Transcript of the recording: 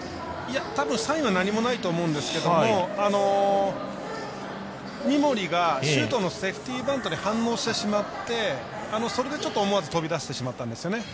たぶんサインは何もないと思うんですけど三森が周東のセーフティーバントに反応してしまって、それで思わず飛び出してしまったんですよね。